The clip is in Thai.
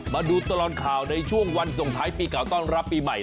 มาดูตลอดข่าวในช่วงวันส่งท้ายปีเก่าต้อนรับปีใหม่